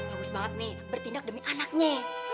bagus banget nih bertindak demi anaknya